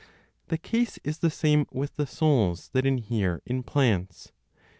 The case is the same with the souls that inhere in plants.